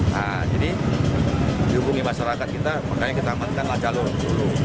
nah jadi dihubungi masyarakat kita makanya kita amankanlah jalur dulu